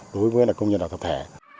đối với công nhân tập thể